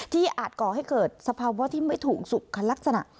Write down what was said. อาจก่อให้เกิดสภาวะที่ไม่ถูกสุขลักษณะ